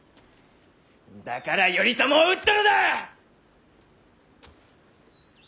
だから頼朝を討ったのだ！